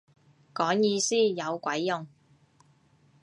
講意思有鬼用